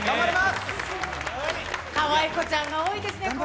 かわい子ちゃんが多いですね、今回。